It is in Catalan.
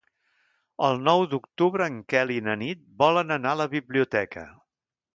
El nou d'octubre en Quel i na Nit volen anar a la biblioteca.